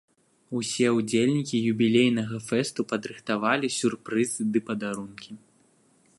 Усе ўдзельнікі юбілейнага фэсту падрыхтавалі сюрпрызы ды падарункі.